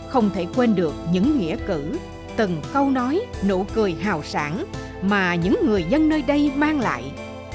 không thể quên được những nghĩa cử từng câu nói nụ cười hào sản mà những người dân nơi đây mang lại